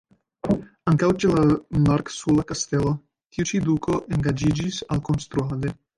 Ankaŭ ĉe la marksuhla kastelo tiu ĉi duko engaĝiĝis alkonstruade.